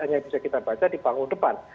hanya bisa kita baca di panggung depan